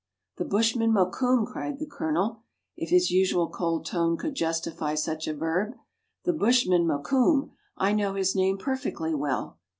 " The bushman Mokoum !" cried the Colonel (if his usual cold tone could justify such a verb), "the bushman Mokoum ! I know his name perfectly well."